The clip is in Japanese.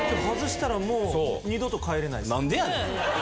何でやねん